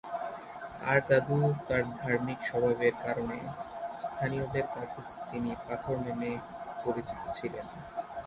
তার দাদু তার ধার্মিক স্বভাবের কারণে স্থানীয়দের কাছে তিনি "পাথর" নামে পরিচিত ছিলেন।